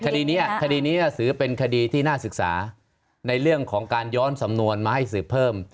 คดีนี้คดีนี้ถือเป็นคดีที่น่าศึกษาในเรื่องของการย้อนสำนวนมาให้สืบเพิ่ม